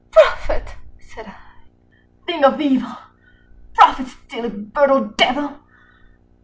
"Prophet!" said I, "thing of evil! prophet still, if bird or devil!